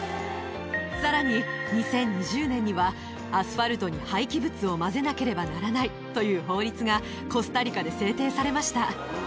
さらに２０２０年には、アスファルトに廃棄物を混ぜなければならないという法律が、コスタリカで制定されました。